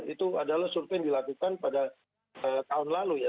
itu adalah survei yang dilakukan pada tahun lalu ya